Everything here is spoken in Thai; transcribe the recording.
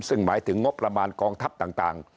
ซึ่งหมายถึงงบประมาณกองทัพต่าง